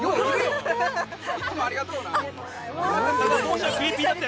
いつもありがとうな。